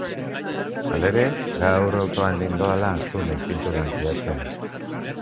Halere, gaur autoan nindoala zu nahi zintudan gidatzen.